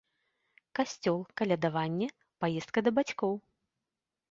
Касцёл, калядаванне, паездка да бацькоў.